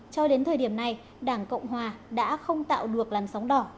cho đến thời điểm này đảng cộng hòa đã không tạo được làn sóng đỏ như dự đoán trước đó